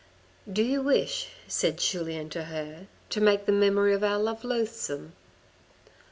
" Do you wish," said Julien to her, " to make the memory of our love loathsome